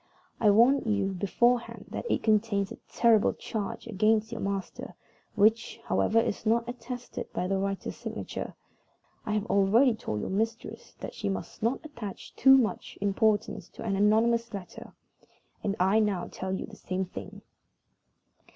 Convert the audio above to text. "I warn you beforehand that it contains a terrible charge against your master, which, however, is not attested by the writer's signature. I have already told your mistress that she must not attach too much importance to an anonymous letter; and I now tell you the same thing."